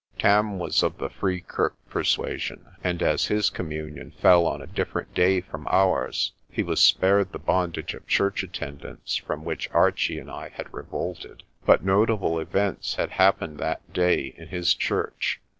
Tam was of the Free Kirk persuasion, and as his Com munion fell on a different day from ours, he was spared the bondage of church attendance from which Archie and I had revolted. But notable events had happened that day in his church.